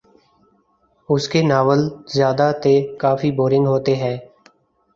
اس کے ناولزیادہ ت کافی بورنگ ہوتے ہے